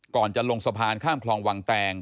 ก่อนจะลงสะพานข้ามคลองวังแตง